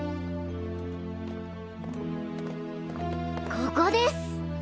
ここです！